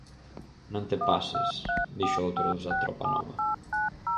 _Non te pases _dixo outro dos da tropa nova.